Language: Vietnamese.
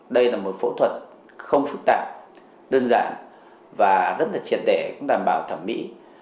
đây là một phẫu thuật không phức tạp đơn giản và rất là triệt để cũng đảm bảo thẩm mỹ